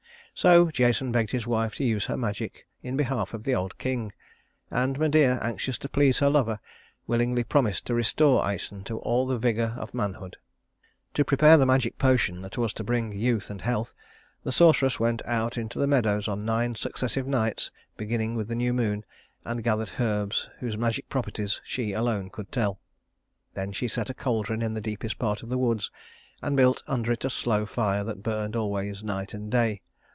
So Jason begged his wife to use her magic in behalf of the old king; and Medea, anxious to please her lover, willingly promised to restore Æson to all the vigor of manhood. To prepare the magic potion that was to bring youth and health, the sorceress went out into the meadows on nine successive nights beginning with the new moon, and gathered herbs whose magic properties she alone could tell. Then she set a caldron in the deepest part of the woods, and built under it a slow fire that burned always night and day.